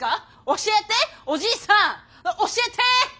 教えておじいさん教えて！